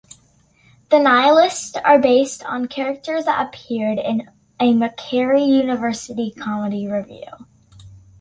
The Nihilists are based on characters that appeared in a Macquarie University comedy revue.